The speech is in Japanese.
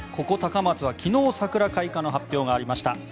ここ高松は昨日桜開花の発表がありました。